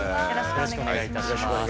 よろしくお願いします。